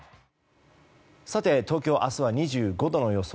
東京は明日２５度の予想。